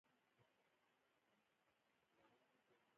دولت د عامه نظم ټینګښت او د قانون حاکمیت ته ژمن دی.